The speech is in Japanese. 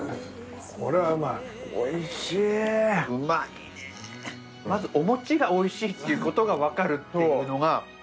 まずおもちがおいしいっていうことが分かるっていうのが。